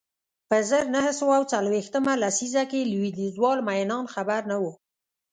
په زر نه سوه څلویښتمه لسیزه کې لوېدیځوال مینان خبر نه و